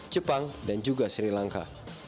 jepang dan juga sri lanka